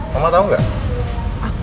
mama tau gak